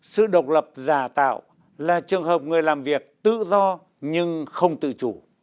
sự độc lập giả tạo là trường hợp người làm việc tự do nhưng không tự chủ